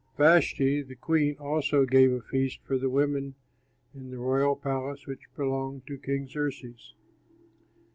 Vashti, the queen, also gave a feast for the women in the royal palace which belonged to King Xerxes.